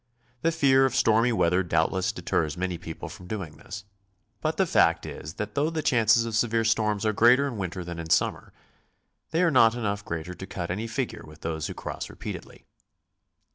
The fear of stormy weather doubtless deters many people from doing this, but the fact is that though the chances of severe storms are greater in winter than in summer, they are not enough greater to cut any figure with those who cross repeatedly.